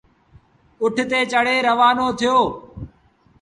اُٺ تي چڙهي روآݩو ٿيٚو۔